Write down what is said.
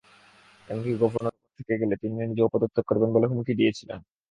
এমনকি গভর্নর থেকে গেলে তিনি নিজেও পদত্যাগ করবেন বলে হুমকি দিয়েছিলেন।